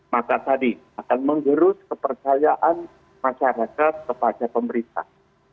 maka tadi akan menggerus kepercayaan masyarakat kepada pemerintah